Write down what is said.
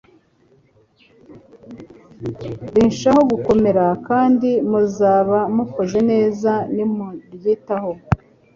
rinshaho gukomera, kandi muzaba mukoze neza nimuryitaho,